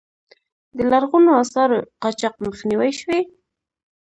د لرغونو آثارو قاچاق مخنیوی شوی؟